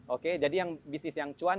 oke jadi yang bisnis yang cuan